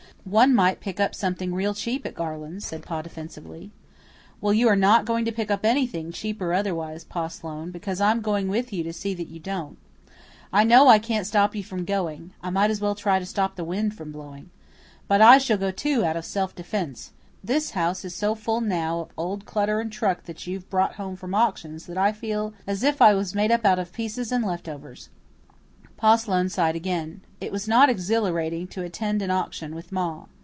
"One might pick up something real cheap at Garland's," said Pa defensively. "Well, you are not going to pick up anything, cheap or otherwise, Pa Sloane, because I'm going with you to see that you don't. I know I can't stop you from going. I might as well try to stop the wind from blowing. But I shall go, too, out of self defence. This house is so full now of old clutter and truck that you've brought home from auctions that I feel as if I was made up out of pieces and left overs." Pa Sloane sighed again. It was not exhilarating to attend an auction with Ma.